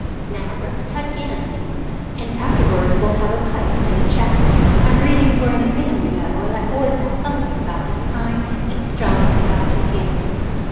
"Now, let's tuck in," he said, "and afterwards we'll have a pipe and a chat. I'm reading for an exam, you know, and I always have something about this time. It's jolly to have a companion."